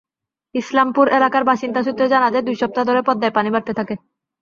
ইসলামপুর এলাকার বাসিন্দা সূত্রে জানা যায়, দুই সপ্তাহ ধরে পদ্মায় পানি বাড়তে থাকে।